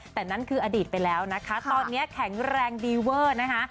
แต่นั่นคืออดีตไปแล้วนะคะตอนนี้แข็งแรงดีเวอร์นะคะ